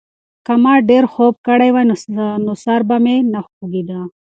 که ما ډېر خوب کړی وای، نو سر به مې نه خوږېده.